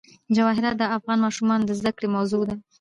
جواهرات د افغان ماشومانو د زده کړې موضوع ده.